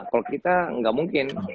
kalau kita gak mungkin